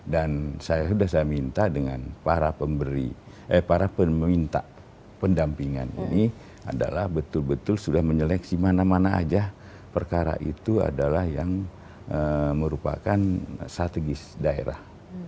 dan sudah saya minta dengan para pemberi eh para peminta pendampingan ini adalah betul betul sudah menyeleksi mana mana aja perkara itu adalah yang merupakan strategis daerah